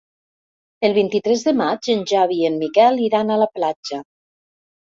El vint-i-tres de maig en Xavi i en Miquel iran a la platja.